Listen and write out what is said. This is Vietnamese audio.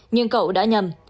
nhưng cậu đã nhầm